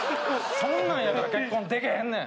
そんなんやから結婚でけへんねん。